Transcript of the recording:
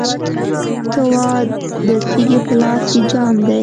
ته وا، د تږي په لاس کې جام دی